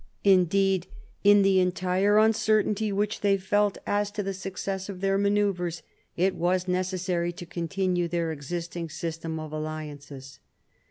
Indeed, in the entire 1748 55 CHANGE OF ALLIANCES 91 uncertainty which they felt as to the success of their manoeuvres, it was necessary to continue their existing system of alliances.